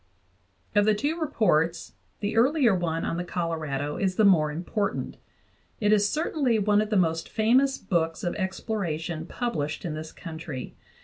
Of the two reports the earlier one on the Colorado is the more important; it is certainly one of the most famous books of exploration published in this country.